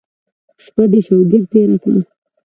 شپه دې شوګیره تېره کړه.